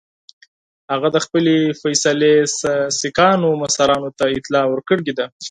هغه د خپلي فیصلې څخه سیکهانو مشرانو ته اطلاع ورکړې ده.